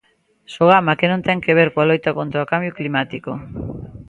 Sogama, que non ten que ver coa loita contra o cambio climático.